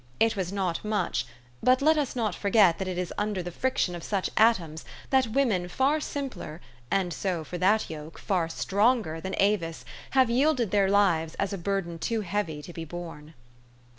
It was not much; but let us not forget that it is under the friction of such atoms, that women far simpler, and so, for that yoke, far stronger, than Avis, have yielded their lives as a burden too heavy to be borne.